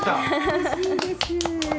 うれしいです！